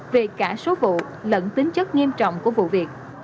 về cả số vụ lẫn tính chất nghiêm trọng của vụ việc